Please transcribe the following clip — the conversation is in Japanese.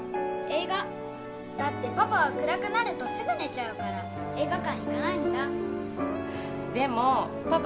映画だってパパは暗くなるとすぐ寝ちゃうから映画館行かないんだでもパパ